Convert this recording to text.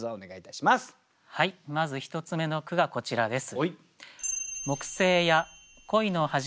まず１つ目の句がこちらです。